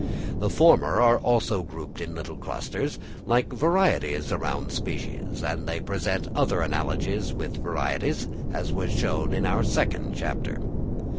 The former are also grouped in little clusters, like varieties round species; and they present other analogies with varieties, as was shown in our second chapter.